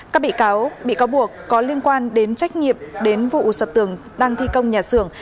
các bị cáo bị cáo buộc có liên quan đến trách nhiệm đến vụ sập tường đang thi công nhà xưởng